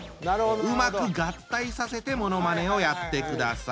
うまく合体させてものまねをやってください。